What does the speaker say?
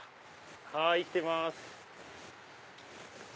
はい生きてます！